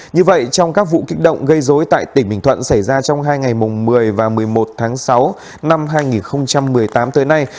như vậy trong các vụ kích động gây dối tại tỉnh bình thuận xảy ra trong hai ngày một mươi và một mươi một tháng sáu năm hai nghìn một mươi tám tới nay